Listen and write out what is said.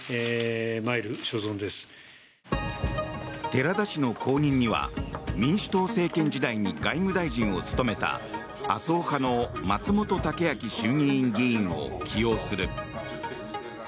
寺田氏の後任には民主党政権時代に外務大臣を務めた麻生派の松本剛明衆議院議員を起用する。